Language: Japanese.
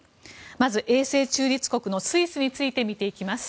まず永世中立国のスイスについて見ていきます。